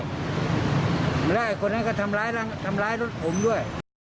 และอีกคนหนึ่งก็ทำร้ายรถผมด้วย